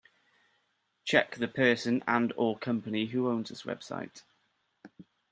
Check the person and/or company who owns this website.